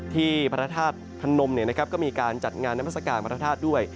ที่พระธาตุพนมก็มีการจัดงานนามัศกาลพระธาตุด้วย